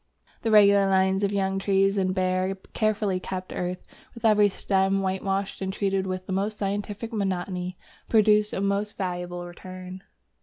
The regular lines of young trees in bare, carefully kept earth, with every stem whitewashed and treated with the most scientific monotony, produce a most valuable return.